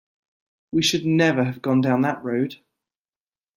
We should never have gone down that road.